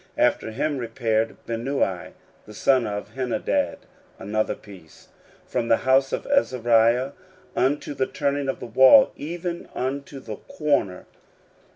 16:003:024 After him repaired Binnui the son of Henadad another piece, from the house of Azariah unto the turning of the wall, even unto the corner.